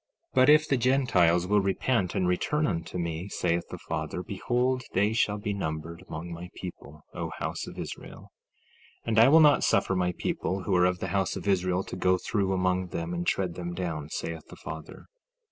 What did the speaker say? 16:13 But if the Gentiles will repent and return unto me, saith the Father, behold they shall be numbered among my people, O house of Israel. 16:14 And I will not suffer my people, who are of the house of Israel, to go through among them, and tread them down, saith the Father.